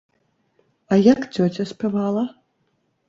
А як цёця спявала?